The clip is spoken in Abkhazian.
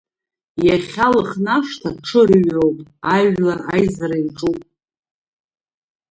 Иахьа Лыхнашҭа ҽырыҩроуп Ажәлар аизара иаҿуп.